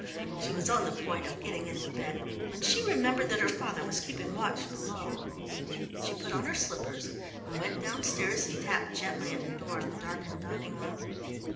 She was on the point of getting into bed when she remembered that her father was keeping watch below. She put on her slippers and went downstairs and tapped gently at the door of the darkened dining room.